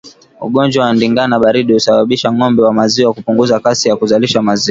Ugonjwa wa ndigana baridi husababisa ngombe wa maziwa kupunguza kasi ya kuzalisha maziwa